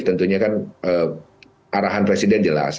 tentunya kan arahan presiden jelas